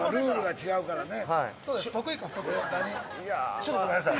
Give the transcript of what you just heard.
ちょっとごめんなさい。